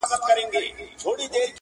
توبې راڅخه تښته چي موسم دی د ګلونو-